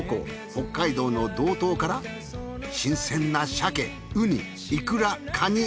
北海道の道東から新鮮な鮭ウニイクラカニ！